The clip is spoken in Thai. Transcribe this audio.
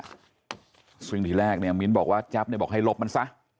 ในสวิ่งที่แรกมิ้นท์บอกว่าแจ๊บบอกให้ลบมันซะ